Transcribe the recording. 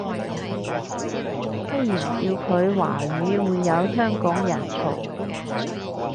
雖然叫佢華語會有香港人嘈